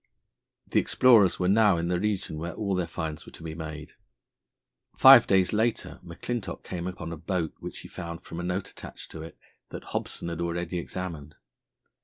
The explorers were now in the region where all their finds were to be made. Five days later McClintock came upon a boat which he found, from a note attached to it, that Hobson had already examined.